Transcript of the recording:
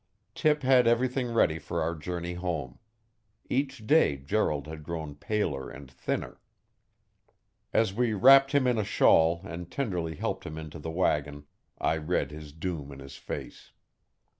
Tip had everything ready for our journey home. Each day Gerald had grown paler and thinner. As we wrapped him in a shawl and tenderly helped him into the wagon I read his doom in his face.